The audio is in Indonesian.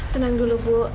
tenang dulu bu